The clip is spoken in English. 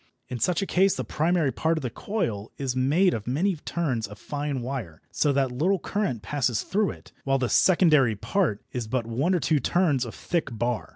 In such a case the primary part of the coil is made of many turns of fine wire, so that little current passes through it, while the secondary part is but one or two turns of thick bar.